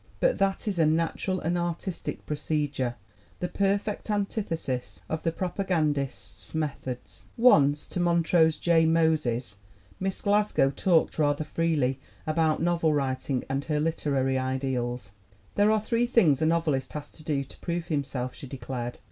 But that is a natural and artistic procedure, the perfect antithesis of the propagandist's methods. Once to Montrose J. Moses Miss Glasgow talked rather freely about novel writing and her liter ary ideals. 'There are three things a novelist has to do to prove himself," she declared.